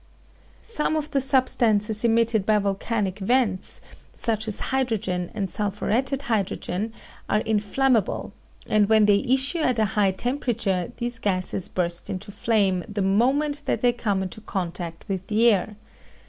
Some of the substances emitted by volcanic vents, such as hydrogen and sulphuretted hydrogen, are inflammable, and when they issue at a high temperature these gases burst into flame the moment that they come into contact with the air.